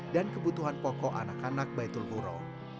dan kebutuhan pokok anak anak baitul huro